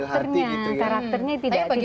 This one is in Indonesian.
itu karakternya karakternya tidak seperti ini